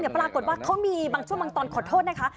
ปรากฏว่าเขามีบางช่วงบางตอนขอโทษนะคะ